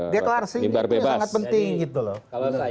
deklarasi itu sangat penting gitu loh